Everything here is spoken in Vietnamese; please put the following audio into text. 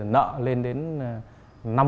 nợ lên đến